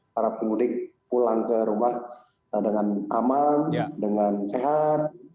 para pemudik pulang ke rumah dengan aman dengan sehat